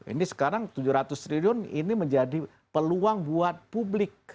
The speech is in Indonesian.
ini sekarang tujuh ratus triliun ini menjadi peluang buat publik